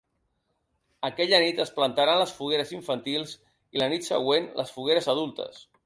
Aquella nit es plantaran les fogueres infantils i, la nit següent, les fogueres adultes.